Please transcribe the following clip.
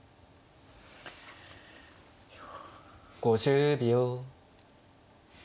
５０秒。